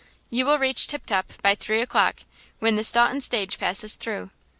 You will reach Tip Top by three o'clock, when the Staunton stage passes through.